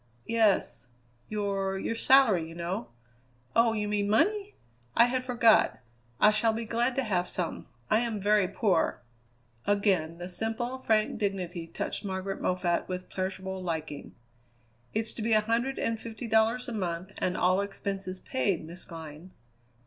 "Yes. Your your salary, you know." "Oh, you mean money? I had forgot. I shall be glad to have some. I am very poor." Again the simple, frank dignity touched Margaret Moffatt with pleasurable liking. "It's to be a hundred and fifty dollars a month and all expenses paid, Miss Glynn."